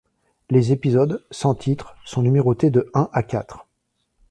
Les épisodes, sans titre, sont numérotés de un à quatre.